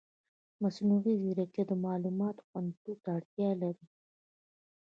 مصنوعي ځیرکتیا د معلوماتو خوندیتوب ته اړتیا لري.